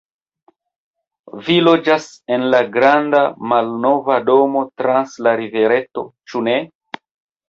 Vi loĝas en la granda, malnova domo trans la rivereto, ĉu ne?